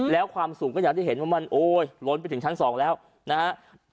แล้วความสูงก็อย่างที่เห็นว่ามันโอ้ยล้นไปถึงชั้น๒แล้วนะฮะ